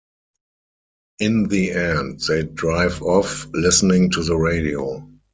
In the end, they drive off, listening to the radio.